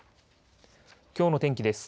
きょうの天気です。